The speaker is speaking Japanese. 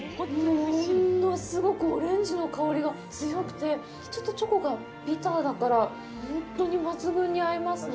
物すごくオレンジの香りが強くてちょっとチョコがビターだから本当に抜群に合いますね。